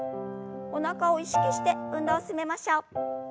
おなかを意識して運動を進めましょう。